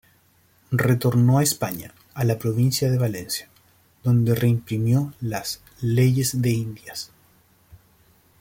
Retornó a España, a la provincia de Valencia, donde reimprimió las "Leyes de Indias".